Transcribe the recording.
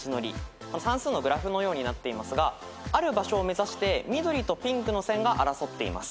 算数のグラフのようになっていますがある場所を目指して緑とピンクの線が争っています。